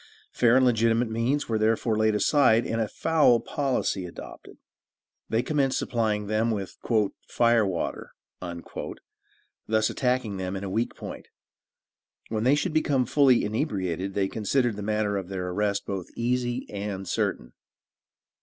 Fair and legitimate means were therefore laid aside, and a foul policy adopted. They commenced supplying them with "firewater," thus attacking them in a weak point. When they should become fully inebriated they considered the matter of their arrest both easy and certain.